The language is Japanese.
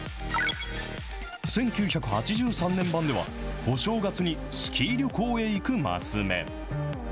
１９８３年版では、お正月にスキー旅行に行くマス目。